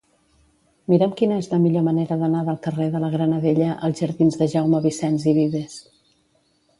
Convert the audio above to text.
Mira'm quina és la millor manera d'anar del carrer de la Granadella als jardins de Jaume Vicens i Vives.